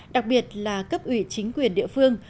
đặc biệt là cấp ủy chính quyền địa phương